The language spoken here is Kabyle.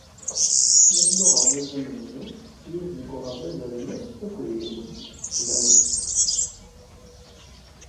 Snat n uɣerbaz amenzu, yiwet deg uɣerbaz alemmas akked yiwen deg tesnawit.